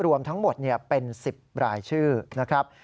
รวมทั้งหมดเป็น๑๐รายชื่อนะครับ